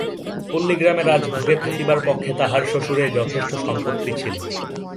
পল্লীগ্রামে রাজভোগে থাকিবার পক্ষে তাহার শ্বশুরের যথেষ্ট সম্পত্তি ছিল।